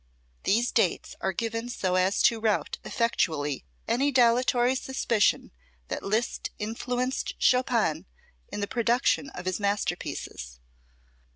These dates are given so as to rout effectually any dilatory suspicion that Liszt influenced Chopin in the production of his masterpieces.